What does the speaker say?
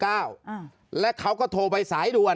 เจ้าหน้าที่แรงงานของไต้หวันบอก